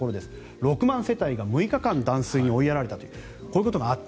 ６万世帯が６日間断水に追い込まれたということがあった。